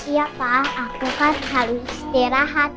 iya pak aku kan harus istirahat